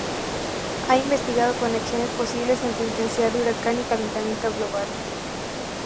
Ha investigado conexiones posibles entre intensidad de huracán y calentamiento global.